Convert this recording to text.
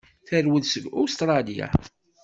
Terwel seg Ustṛalya.